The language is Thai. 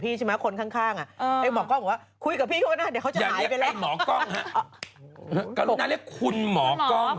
ดับเหลือก็ไอกล้องคุณหมอกล้องค่ะคุณหมอกล้อง